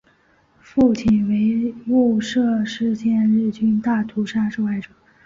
父亲为雾社事件日军大屠杀受害者。